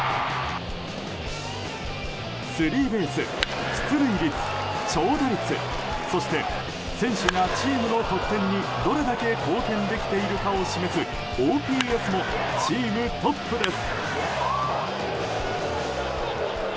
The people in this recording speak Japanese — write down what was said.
スリーベース、出塁率、長打率そして選手がチームの得点にどれだけ貢献できているかを示すＯＰＳもチームトップです。